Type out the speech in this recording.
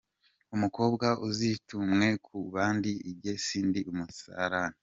Umukobwa : Uzitumwe ku bandi jye si ndi umusarani !.